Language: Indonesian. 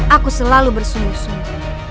aku selalu bersungguh sungguh